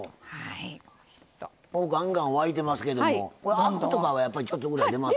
ガンガン沸いてますけどもアクとかはやっぱりちょっとぐらい出ます？